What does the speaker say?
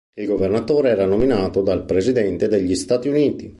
Il governatore era nominato dal Presidente degli Stati Uniti.